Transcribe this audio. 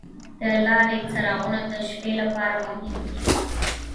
د لارې څراغونه د شپې لپاره مهم دي.